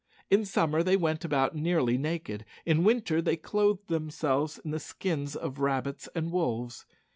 In summer they went about nearly naked. In winter they clothed themselves in the skins of rabbits and wolves.